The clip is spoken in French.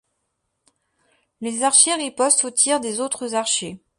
Les archers ripostent aux tirs des autres archers.